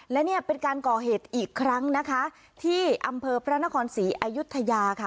และเนี่ยเป็นการก่อเหตุอีกครั้งนะคะที่อำเภอพระนครศรีอายุทยาค่ะ